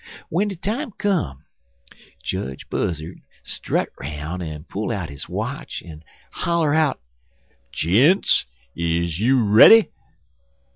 W'en de time come Jedge Buzzard strut 'roun' en pull out his watch, en holler out: "'Gents, is you ready?'